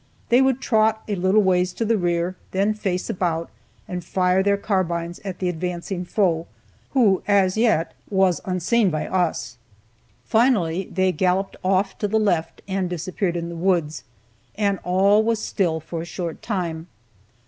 They would trot a little ways to the rear, then face about, and fire their carbines at the advancing foe, who, as yet, was unseen by us. Finally they galloped off to the left and disappeared in the woods, and all was still for a short time.